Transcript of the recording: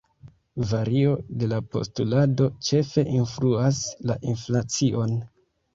Vario de la postulado ĉefe influas la inflacion.